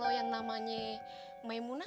kalau yang namanya maimunah